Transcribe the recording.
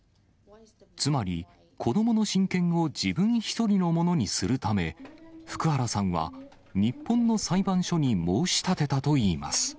つまり子どもの親権を自分一人のものにするため、福原さんは日本の裁判所に申し立てたといいます。